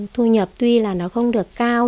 thu nhập tuy là nó không được cao